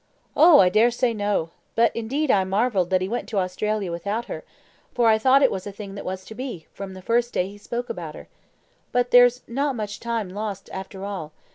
"Oh, I dare say no. But indeed I marvelled that he went to Australia without her, for I thought it was a thing that was to be, from the first day he spoke about her. But there's no much time lost after all.